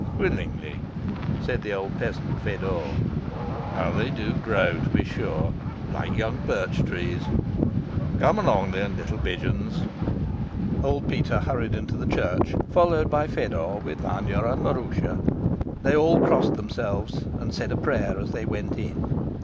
"Willingly," said the old peasant Fedor. "How they do grow, to be sure, like young birch trees. Come along then, little pigeons." Old Peter hurried into the church, followed by Fedor with Vanya and Maroosia. They all crossed themselves and said a prayer as they went in.